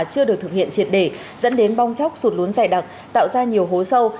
chưa được thực hiện triệt đề dẫn đến bong chóc sụt lún dài đặc tạo ra nhiều hố sâu